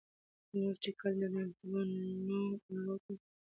موږ چې کله د رنتنبور نوم اورو